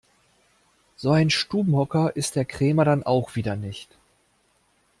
So ein Stubenhocker ist Herr Krämer dann auch wieder nicht.